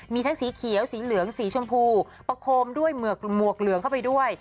มีทั้งสีเขียวสีเหลืองสีชมพูประโคมด้วยหมวกเหลืองเข้าไปด้วย